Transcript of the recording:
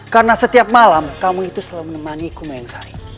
karena setiap malam kamu itu selalu menemani aku mayang sari